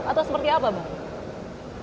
atau seperti apa bang